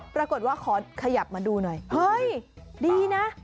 ปรากฏว่าขอขยับมาดูหน่อยเฮ้ยดีนะ